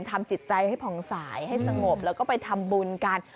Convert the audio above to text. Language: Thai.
ทำจิตใจให้ผ่องสายให้สงบแล้วก็ไปทำบุญกัน